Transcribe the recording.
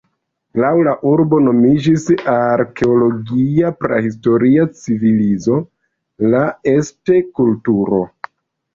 Laŭ la urbo nomiĝis arkeologia prahistoria civilizo, la "Este-kulturo".